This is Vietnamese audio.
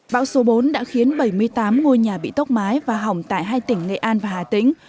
bão số bốn đã khiến bảy mươi tám ngôi nhà bị tốc mái và hỏng tại hai tỉnh nghệ an và hà tĩnh